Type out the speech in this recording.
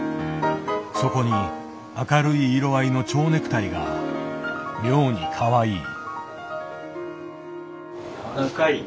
そこに明るい色合いのちょうネクタイが妙にかわいい。